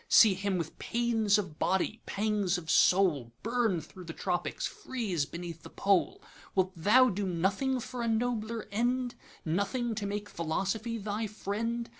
See him with pains of body, pangs of soul, Burn thro' the Tropics, freeze beneath the Pole! Wilt thou do nothing for a nobler end, Nothing to make Philosophy thy friend?